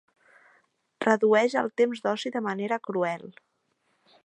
Redueix el temps d'oci de manera cruel.